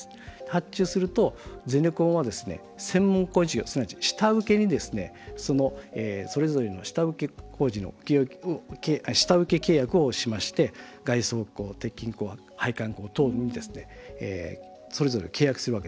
発注すると、ゼネコンはですね専門工事業、すなわち下請けにそれぞれの下請工事の下請契約をしまして外装工、鉄筋工、配管工等にそれぞれ契約するわけですね。